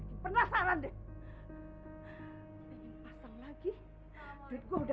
ibu juga mau tidur ya